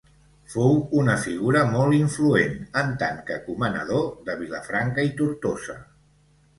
Fou una figura molt influent en tant que comanador de Vilafranca i Tortosa.